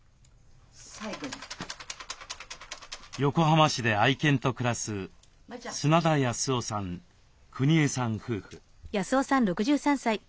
横浜市で愛犬と暮らす砂田康雄さんくにえさん夫婦。